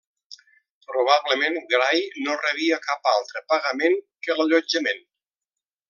Probablement Gray no rebia cap altre pagament que l'allotjament.